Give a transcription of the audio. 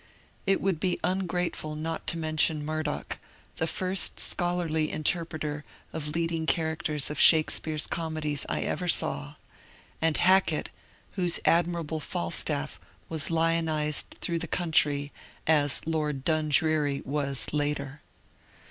It would be ungrateful not tp mention Murdoch, the first scholarly interpreter of leading characters of Shakespeare's comedies I ever saw; and Hackett, whose admirable Fal staff was lionized through the country as *^ Lord Dundreary " was later.